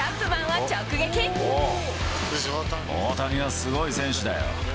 大谷はすごい選手だよ。